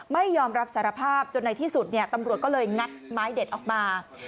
ไม่ยอมรับสารภาพจนในที่สุดเนี่ยตำรวจก็เลยงัดไม้เด็ดออกมา